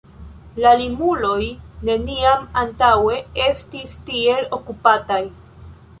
La Limuloj neniam antaŭe estis tiel okupataj.